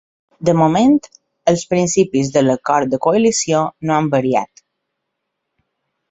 De moment, els principis de l’acord de coalició no han variat.